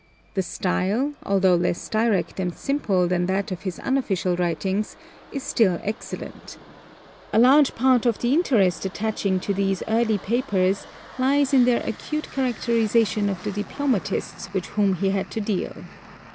The style, although less direct and simple than that of his unofficial writings, is still excellent. A large part of the interest attaching to these early papers lies in their acute characterization of the diplomatists with whom he had to deal.